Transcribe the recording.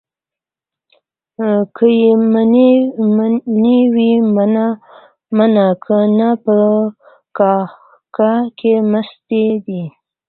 که يې منې ويې منه؛ که نه په کاکښه کې مستې دي.